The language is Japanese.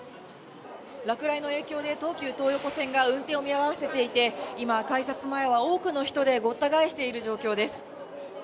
落雷の影響で東急東横線が運転を見合わせていて、改札前は多くの人でごった返している状況です。